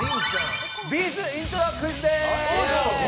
「Ｂ’ｚイントロクイズ」です。